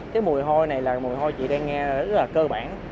cái mùi hôi này là mùi hôi chị đang nghe rất là cơ bản